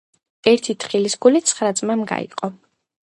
ერთი თხილის გული ცხრა ძმამ გაიყო